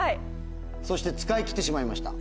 そして使い切ってしまいました。